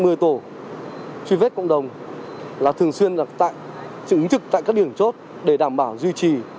phường hàng bài truy vết cộng đồng là thường xuyên ứng trực tại các điểm chốt để đảm bảo duy trì